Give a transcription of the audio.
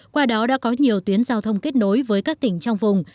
qua đó đã có nhiều tuyến giao thông kết nối với các tỉnh trong vùng